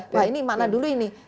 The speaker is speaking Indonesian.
nah ini mana dulu ini